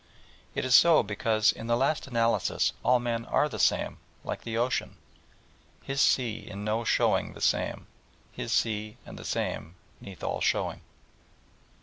It is so because in the last analysis all men are the same, like the ocean, "His Sea in no showing the same his Sea and the same 'neath all showing."